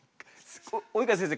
及川先生